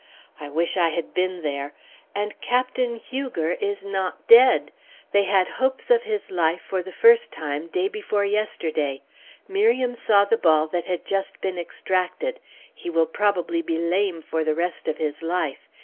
I wish I had been there! And Captain Huger is not dead! They had hopes of his life for the first time day before yesterday. Miriam saw the ball that had just been extracted. He will probably be lame for the rest of his life.